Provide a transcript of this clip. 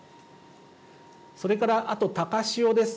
それからあと、高潮です。